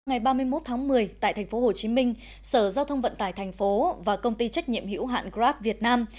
ngày ba mươi một tháng một mươi tại tp hcm sở giao thông vận tải thành phố và công ty trách nhiệm hữu hạn grab việt nam